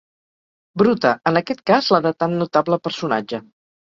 Bruta, en aquest cas la de tan notable personatge.